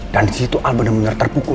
dan disitu al bener bener terpukul